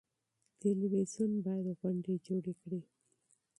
تلویزیون باید پروګرامونه جوړ کړي.